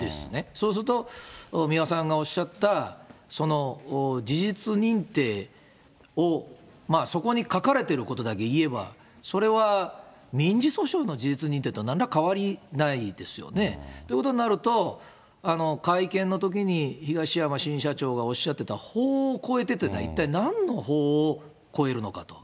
そうすると、三輪さんがおっしゃった事実認定をそこに書かれていることだけ言えば、それは民事訴訟の事実認定となんら変わりないですよね。ということになると、会見のときに東山新社長がおっしゃってた法を超えてというのは一体なんの法を超えるのかと。